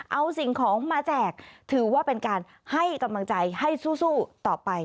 เอาสิ่งของมาแจกถือว่าเป็นการให้กำลังใจให้สู้ต่อไป